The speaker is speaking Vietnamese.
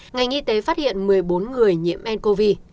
ngành y tế phát hiện một mươi bốn người nhiễm ncov